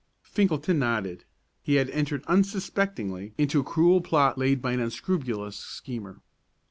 Finkelton nodded. He had entered unsuspectingly into a cruel plot laid by an unscrupulous schemer.